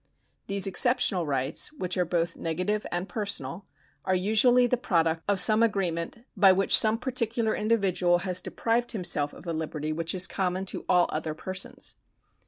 These exceptional rights, which are both negative and personal, are usually the product of some agreement by which some particular individual has deprived himself of a liberty which is common to all other persons.